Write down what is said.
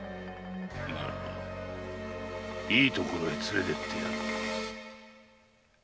ならばいいところへ連れて行ってやろう。